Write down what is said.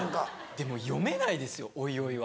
でも読めないですよオイオイは。